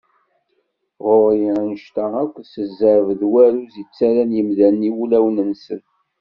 Ɣur-i anect-a akk d ẓẓerb d warruz i ttarran yimdanen i wulawen-nsen.